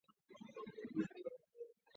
怎么可能一百多万